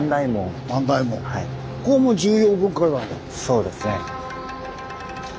そうですね。